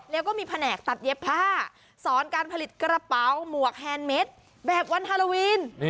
แล้วก็มีแผนกตัดเย็บผ้าสอนการผลิตกระเป๋าหมวกแฮนดเม็ดแบบวันฮาโลวีน